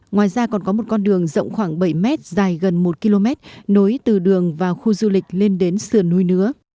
ngoài ra còn có một con đường rộng khoảng bảy mét dài gần một km nối từ đường vào khu du lịch lên đến sườn núi nứa